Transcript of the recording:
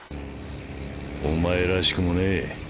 お前らしくもねえ。